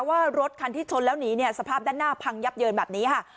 ว่ารถคันที่ชนแล้วหนีเนี่ยสภาพด้านหน้าพังยับเยินแบบนี้ค่ะ